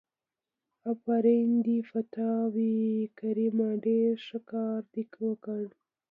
آفرين دې په تا وي کريمه ډېر ښه کار دې وکړ.